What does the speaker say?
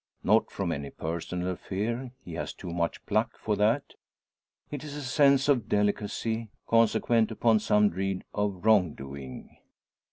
Not from any personal fear; he has too much "pluck" for that. It is a sense of delicacy, consequent upon some dread of wrong doing.